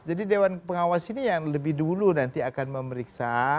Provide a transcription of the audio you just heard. jadi dewan pengawas ini yang lebih dulu nanti akan memeriksa